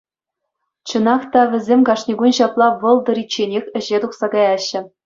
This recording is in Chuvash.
Чӑнах та весем кашни кун ҫапла вӑл тӑричченех ӗҫе тухса каяҫҫӗ.